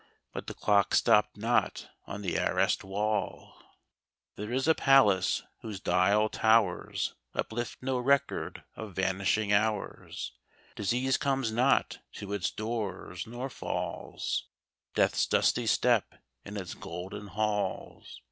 But the clock stopped not on the arrased wall. 82 THE CLOCKS OF KENILWORTH. — There is a palace whose dial towers Uplift no record of vanishing hours, Disease comes not to its doors, nor falls Death's dusty step in its golden halls.